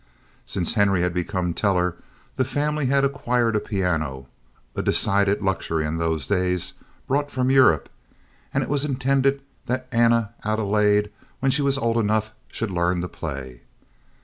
Since Henry had become teller the family had acquired a piano—a decided luxury in those days—brought from Europe; and it was intended that Anna Adelaide, when she was old enough, should learn to play.